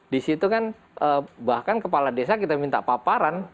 di situ kan bahkan kepala desa kita minta paparan